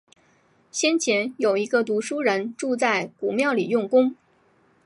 先前，有一个读书人住在古庙里用功